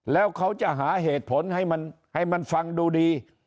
แล้วเขาจะหาเหตุผลให้มันฟังดูดี